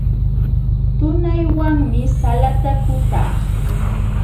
Tunaywanmi salata kutaa.